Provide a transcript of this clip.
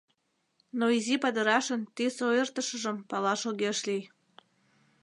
Но изи падырашын тӱс ойыртышыжым палаш огеш лий.